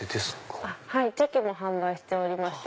はい茶器も販売しておりまして。